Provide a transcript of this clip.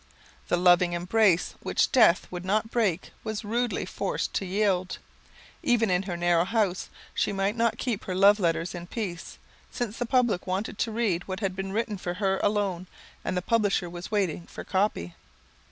The loving embrace which Death would not break was rudely forced to yield. Even in her "narrow house" she might not keep her love letters in peace, since the public wanted to read what had been written for her alone and the publisher was waiting for "copy."